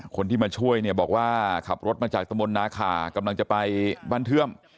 คนที่มาช่วยเนี่ยบอกว่าขับรถมาจากตะมนต์นาคากำลังจะไปบ้านเทื่อม